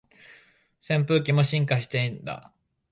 扇風機も進化してんだ